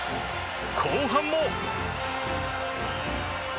後半も。